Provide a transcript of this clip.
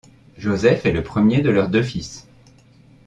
Josef est le premier de leurs deux fils.